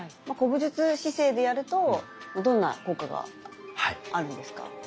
古武術姿勢でやるとどんな効果があるんですか？